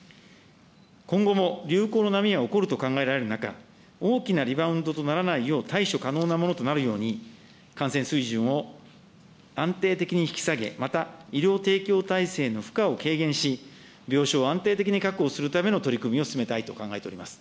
今後も流行の波が起こると考えられる中、大きなリバウンドとならないよう対処可能なものとなるように、感染水準を安定的に引き下げ、また医療提供体制の負荷を軽減し、病床を安定的に確保するための取り組みを進めたいと考えております。